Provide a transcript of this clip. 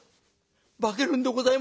「化けるんでございますか？」。